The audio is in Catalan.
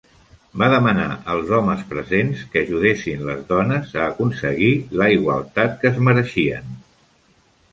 Va demanar als homes presents que ajudessin les dones a aconseguir la igualtat que es mereixien.